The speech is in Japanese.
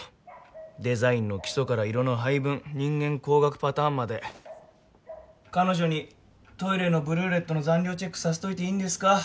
デザインの基礎から色の配分人間工学パターンまで彼女にトイレのブルーレットの残量チェックさせといていいんですか？